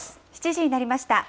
７時になりました。